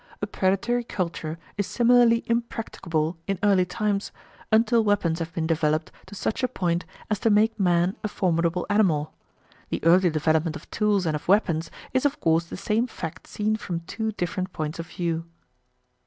A predatory culture is similarly impracticable in early times, until weapons have been developed to such a point as to make man a formidable animal. The early development of tools and of weapons is of course the same fact seen from two different points of view.